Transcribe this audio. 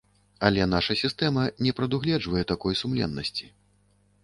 Але наша сістэма не прадугледжвае такой сумленнасці.